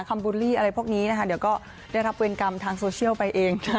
บูลลี่อะไรพวกนี้นะคะเดี๋ยวก็ได้รับเวรกรรมทางโซเชียลไปเอง